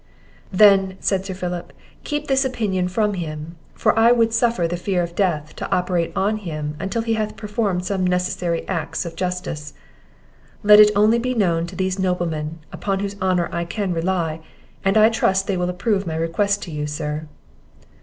"Then," said Sir Philip, "keep this opinion from him; for I would suffer the fear of death to operate on him until he hath performed some necessary acts of justice. Let it only be known to these noblemen, upon whose honour I can rely, and I trust they will approve my request to you, sir."